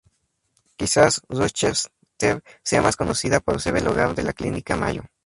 Quizás, Rochester sea más conocida por ser el hogar de la Clínica Mayo.